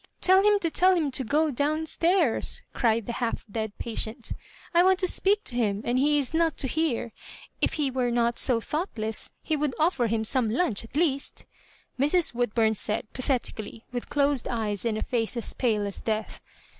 " Tell him to tell him to go down stairs," cried the half dead pa tient; "1 want to speak to him, and he is not to hear ;— if he were not so thoughtless, he would offer him some lunch at least," Mrs. Woodbum said, pathetically, with closed eyes and a face as pale as death.